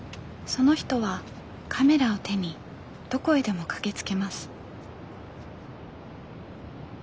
その人はカメラを手にどこへでも駆けつけます。